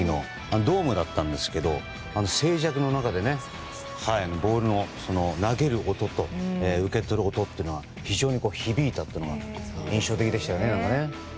ドームだったんですが静寂の中でボールの投げる音と受け取る音というのが非常に響いたというのが印象的でしたね。